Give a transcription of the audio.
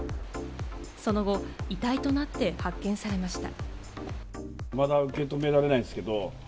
その後、遺体となって発見されました。